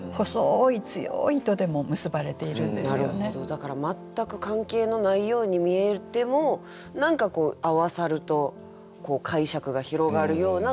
だから全く関係のないように見えても何かこう合わさると解釈が広がるような歌になるという。